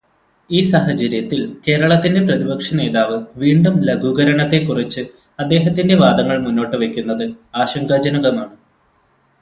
ഈ സാഹചര്യത്തിൽ കേരളത്തിന്റെ പ്രതിപക്ഷനേതാവ് വീണ്ടും ലഘൂകരണത്തെക്കുറിച്ച് അദ്ദേഹത്തിന്റെ വാദങ്ങൾ മുന്നോട്ട് വെക്കുന്നത് ആശങ്കാജനകമാണ്.